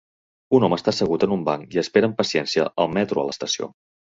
Un home està assegut en un banc i espera amb paciència el metro a l'estació.